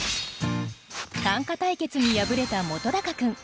短歌対決に敗れた本君。